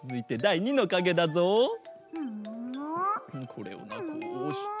これはこうして。